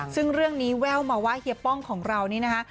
ซึ่งเรื่องนี้แว่วมาว่าเฮียป้องของเรานี่นะคะ